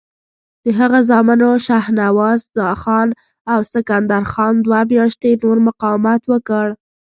د هغه زامنو شهنواز خان او سکندر خان دوه میاشتې نور مقاومت وکړ.